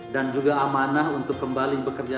dan juga amanah untuk kembali ke bank indonesia